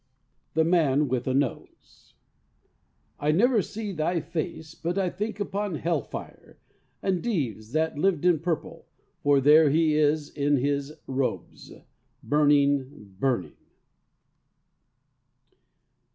THE MAN WITH A NOSE "I never see thy face but I think upon hell fire, and Dives that lived in purple, for there he is in his robes, burning, burning."